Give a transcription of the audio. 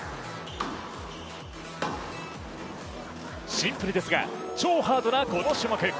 シンプルですが、超ハードなこの種目。